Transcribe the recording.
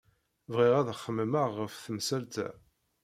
Bɣiɣ ad xemmemeɣ ɣef temsalt-a.